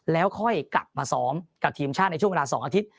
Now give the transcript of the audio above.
แล้วค่อยกลับมาซ้อมกับทีมชาติในช่วงเวลา๒อาทิตย์